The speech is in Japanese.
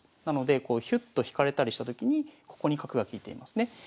なのでひゅっと引かれたりしたときにここに角が利いていますね。